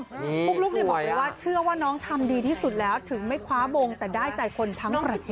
ปุ๊กลุ๊กบอกเลยว่าเชื่อว่าน้องทำดีที่สุดแล้วถึงไม่คว้าวงแต่ได้ใจคนทั้งประเทศ